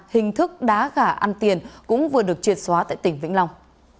hình thức đá gà ăn tiền cũng vừa được triệt xóa tại tỉnh vĩnh long